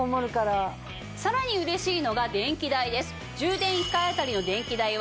さらに嬉しいのが電気代です。